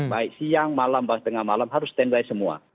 baik siang malam bahkan tengah malam harus standby semua